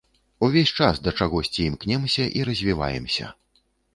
Увесь час да чагосьці імкнёмся і развіваемся.